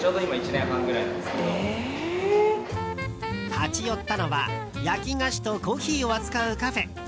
立ち寄ったのは焼き菓子とコーヒーを扱うカフェ。